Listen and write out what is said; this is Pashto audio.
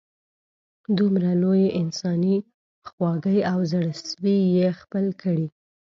دومره لویې انسانې خواږۍ او زړه سوي یې خپل کړي.